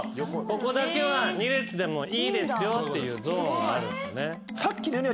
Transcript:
ここだけは２列でもいいですよっていうゾーンあるんですよね。